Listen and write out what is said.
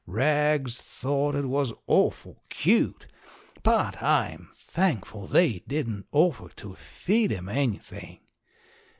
Rags thought it was awful cute, but I'm thankful they didn't offer to feed 'em anything.